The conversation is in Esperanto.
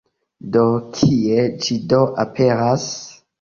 De kie ĝi do aperas?